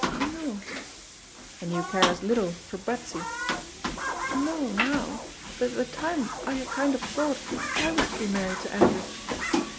"N no." "And you care as little for Betsy?" "No now, but at the time I a kind of thought I was to be married to Andrew."